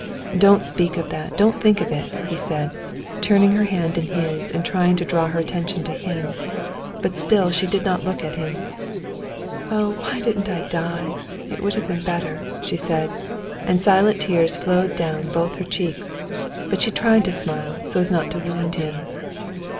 "Don't speak of that, don't think of it," he said, turning her hand in his, and trying to draw her attention to him; but still she did not look at him. "Oh, why didn't I die! it would have been better," she said, and silent tears flowed down both her cheeks; but she tried to smile, so as not to wound him.